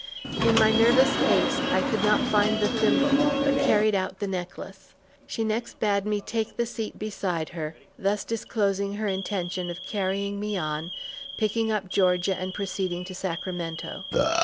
In my nervous haste I could not find the thimble, but carried out the necklace. She next bade me take the seat beside her, thus disclosing her intention of carrying me on, picking up Georgia and proceeding to Sacramento.